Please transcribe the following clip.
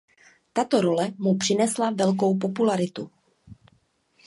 Tato role mu přinesla velkou popularitu.